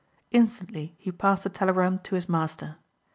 Instantly he passed the telegram to his master.